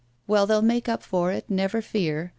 But they'll make up for it, never fear!